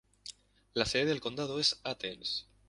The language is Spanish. La sede del condado es Athens.